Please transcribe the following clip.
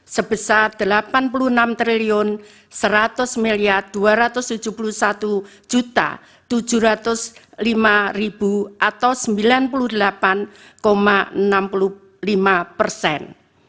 sebesar rp delapan puluh enam seratus dua ratus tujuh puluh satu tujuh ratus lima atau sembilan puluh delapan enam puluh lima persen